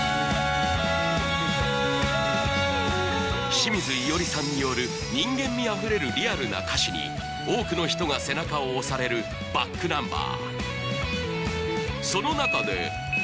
清水依与吏さんによる人間味あふれるリアルな歌詞に多くの人が背中を押されるｂａｃｋｎｕｍｂｅｒ